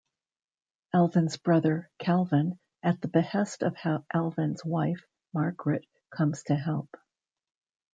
Alvin's brother, Calvin, at the behest of Alvin's wife, Margaret, comes to help.